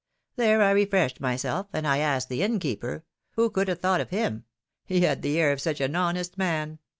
There I re freshed myself, and I asked the inn keeper — who could have thought of him? he had the air of such an honest man